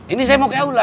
ini saya mau ke aula